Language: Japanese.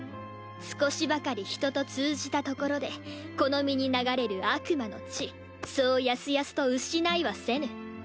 少しばかり人と通じたところでこの身に流れる悪魔の血そうやすやすと失いはせぬ。